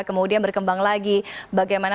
kemudian berkembang lagi bagaimana